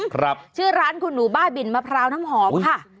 ครับชื่อร้านคุณหนูบ้าบินมะพร้าวน้ำหอมค่ะ